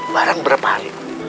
barang berapa hari